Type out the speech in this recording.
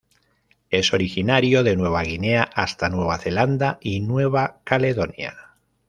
Es originario de Nueva Guinea hasta Nueva Zelanda y Nueva Caledonia.